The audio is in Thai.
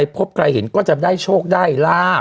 พบใครเห็นก็จะได้โชคได้ลาบ